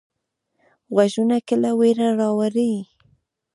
غږونه کله ویره راولي.